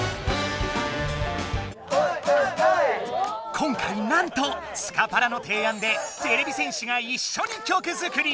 今回なんとスカパラのていあんでてれび戦士が一緒に曲作り！